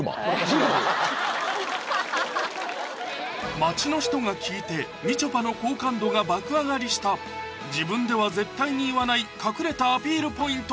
街の人が聞いてみちょぱの好感度が爆上がりした自分では絶対に言わない隠れたアピールポイント